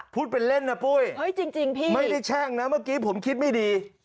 พูดเป็นเล่นนะปุ้ยจริงพี่ไม่ได้แช่งนะเมื่อกี้ผมคิดไม่ดี